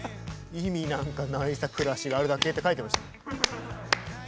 「意味なんかないさ暮らしがあるだけ」って書いてました。